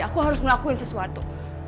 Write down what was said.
aku harus ngelakuin sesuatu